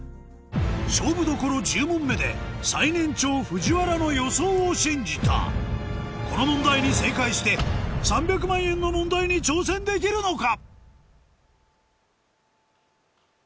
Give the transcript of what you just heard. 勝負どころ１０問目で最年長藤原の予想を信じたこの問題に正解して３００万円の問題に挑戦できるのか？